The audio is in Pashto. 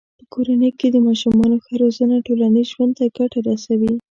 په کورنۍ کې د ماشومانو ښه روزنه ټولنیز ژوند ته ګټه رسوي.